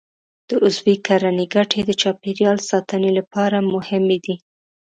د عضوي کرنې ګټې د چاپېریال ساتنې لپاره مهمې دي.